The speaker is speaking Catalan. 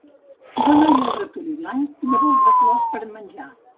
Dóna-li al ratolí blanc llavors de flors per menjar.